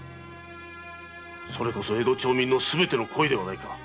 それこそ江戸町民のすべての声ではないか。